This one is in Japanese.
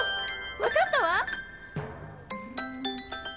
わかったわ！